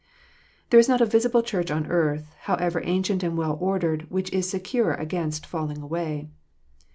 There is not a visible Church on earth, however ancient and well ordered, which is secure against falling away.